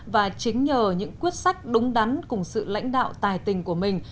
và chính nhờ những quyết sách đúng đắn cùng sự lãnh đạo tài tình của mình